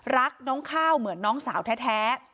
รักน้องข้าวเหมือนน้องสาวแท้